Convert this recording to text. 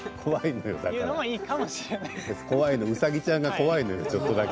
だからうさぎちゃんが怖いのよちょっとだけ。